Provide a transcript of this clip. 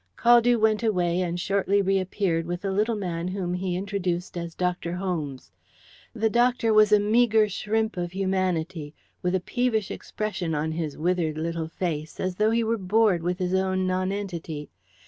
Caldew went away, and shortly reappeared with a little man whom he introduced as Dr. Holmes. The doctor was a meagre shrimp of humanity, with a peevish expression on his withered little face, as though he were bored with his own nonentity.